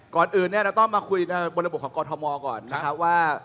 ก่อนอื่นต้องมาคุยบริบทของกรทมก่อนว่า